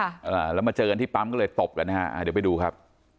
อ่าแล้วมาเจอกันที่ปั๊มก็เลยตบกันนะฮะอ่าเดี๋ยวไปดูครับ